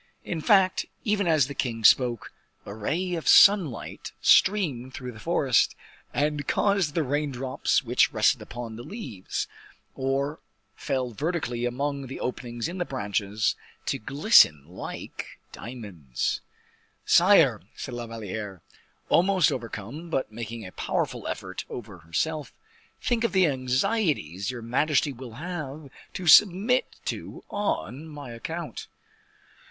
In fact, even as the king spoke, a ray of sunlight streamed through the forest, and caused the rain drops which rested upon the leaves, or fell vertically among the openings in the branches of the trees, to glisten like diamonds. "Sire," said La Valliere, almost overcome, but making a powerful effort over herself, "think of the anxieties your majesty will have to submit to on my account.